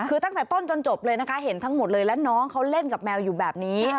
คือตั้งแต่ต้นจนจบเลยนะคะเห็นทั้งหมดเลยแล้วน้องเขาเล่นกับแมวอยู่แบบนี้